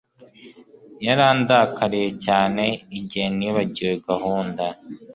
Yarandakariye cyane igihe nibagiwe gahunda